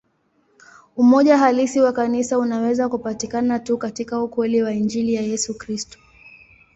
Umoja halisi wa Kanisa unaweza kupatikana tu katika ukweli wa Injili ya Yesu Kristo.